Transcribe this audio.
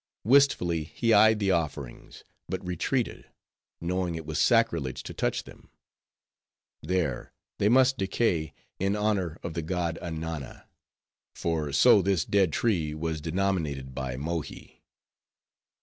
Wistfully he eyed the offerings; but retreated; knowing it was sacrilege to touch them. There, they must decay, in honor of the god Ananna; for so this dead tree was denominated by Mohi.